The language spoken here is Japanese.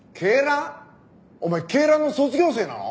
お前恵蘭の卒業生なの！？